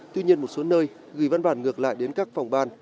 tuy nhiên một số nơi gửi văn bản ngược lại đến các phòng ban